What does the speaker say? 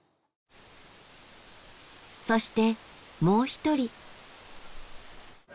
そしてもう一人。